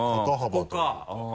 ここか。